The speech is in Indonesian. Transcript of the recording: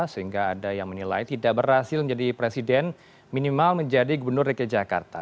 sehingga ada yang menilai tidak berhasil menjadi presiden minimal menjadi gubernur dki jakarta